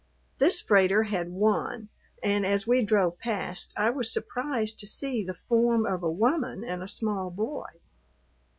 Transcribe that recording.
This freighter had one, and as we drove past I was surprised to see the form of a woman and a small boy.